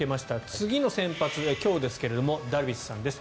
次の先発、今日ですけどもダルビッシュさんです。